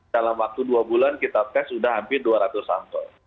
dalam waktu dua bulan kita tes sudah hampir dua ratus sampel